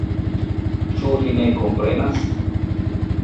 Ĉu vi ne komprenas?